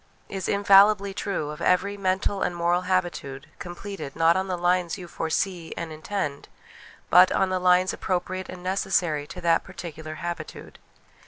' is infallibly true of every mental and moral habitude : completed, not on the lines you foresee and intend, but on the lines appropriate and necessary to that particular habitude.